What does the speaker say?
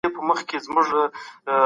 خلکو وویل چي ځني سوداګر توکي پټوي.